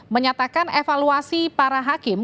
menyatakan evaluasi para hakim